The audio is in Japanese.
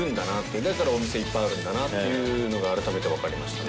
世お店いっぱいあるんだなというのが改めて分かりましたね。